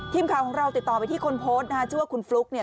ทีมข่าวของเราติดต่อไปที่คนโพสต์นะฮะชื่อว่าคุณฟลุ๊กเนี่ย